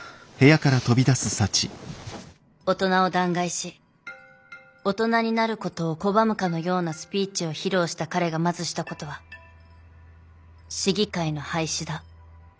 大人を弾劾し大人になることを拒むかのようなスピーチを披露した彼がまずしたことは市議会の廃止だ。